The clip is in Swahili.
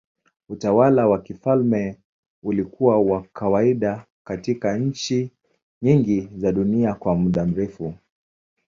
Utawala wa kifalme ulikuwa wa kawaida katika nchi nyingi za dunia kwa muda mrefu.